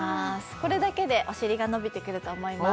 これだけでお尻が伸びてくると思います